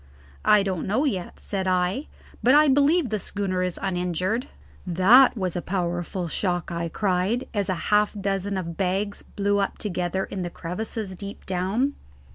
"I don't know yet," said I; "but I believe the schooner is uninjured. That was a powerful shock!" I cried, as a half dozen of bags blew up together in the crevices deep down.